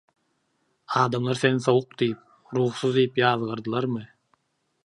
Adamlar seni sowuk diýip, ruhsuz diýip ýazgardylarmy?